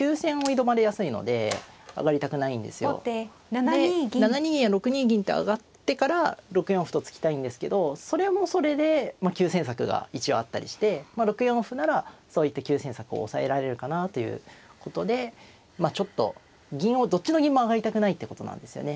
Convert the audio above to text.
で７二銀や６二銀って上がってから６四歩と突きたいんですけどそれもそれでまあ急戦策が一応あったりして６四歩ならそういった急戦策を抑えられるかなということでまあちょっと銀をどっちの銀も上がりたくないってことなんですよね。